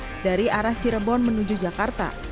pada hari ini kejar di arah cirebon menuju jakarta